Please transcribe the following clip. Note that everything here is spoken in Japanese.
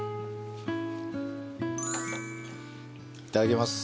いただきます。